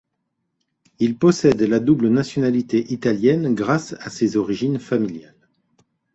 Il possède la double nationalité italienne grâce à ses origines familiales.